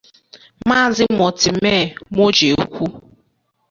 Maazị Mortimer Muojekwu